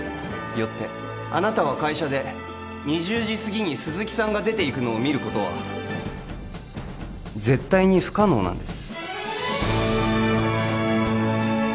よってあなたは会社で２０時すぎに鈴木さんが出ていくのを見ることは絶対に不可能なんです